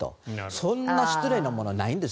そんな失礼なものはないんです。